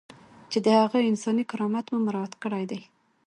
چې د هغه انساني کرامت مو مراعات کړی دی.